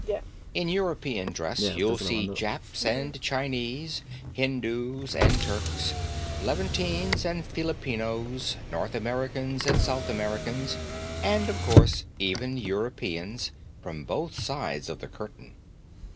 In European dress you'll see Japs and Chinese, Hindus and Turks, Levantines and Filipinos, North Americans and South Americans, and, of course, even Europeans from both sides of the Curtain.